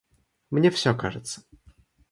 Мне все кажется.